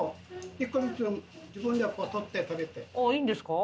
あっいいんですか？